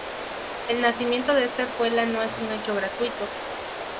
El nacimiento de esta escuela no es un hecho gratuito.